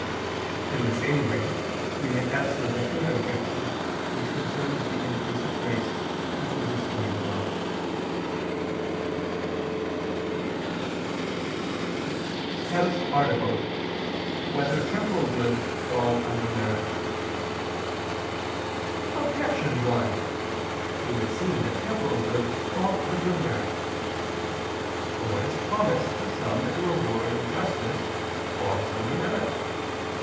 In the same way may we answer the third objection which concerns the increase of grace, as was explained above. ________________________ TENTH ARTICLE [I II, Q. 114, Art. 10] Whether Temporal Goods Fall Under Merit? Objection 1: It would seem that temporal goods fall under merit. For what is promised to some as a reward of justice, falls under merit.